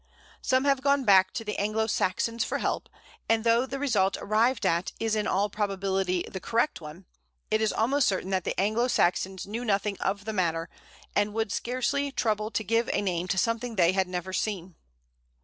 Some have gone back to the Anglo Saxons for help, and though the result arrived at is in all probability the correct one, it is almost certain that the Anglo Saxons knew nothing of the matter, and would scarcely trouble to give a name to something they had never seen.